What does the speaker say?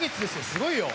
すごいよ。